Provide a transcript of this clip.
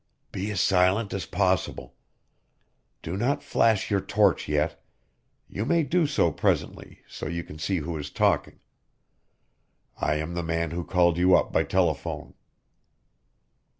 "Be as silent as possible. Do not flash your torch yet; you may do so presently, so you can see who is talking. I am the man who called you up by telephone."